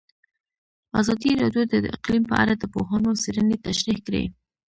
ازادي راډیو د اقلیم په اړه د پوهانو څېړنې تشریح کړې.